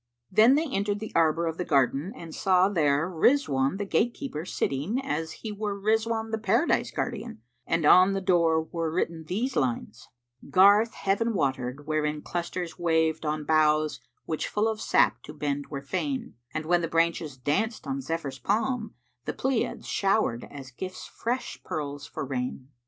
Then they entered the arbour of the garden and saw there Rizwan the gate keeper sitting, as he were Rizwan the Paradise guardian, and on the door were written these lines, "Garth Heaven watered wherein clusters waved * On boughs which full of sap to bend were fain: And, when the branches danced on Zephyr's palm, * The Pleiads shower'd as gifts[FN#381] fresh pearls for rain."